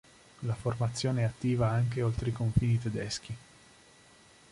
La fondazione è attiva anche oltre i confini tedeschi.